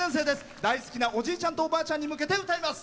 大好きなおじいちゃんとおばあちゃんに向けて歌います。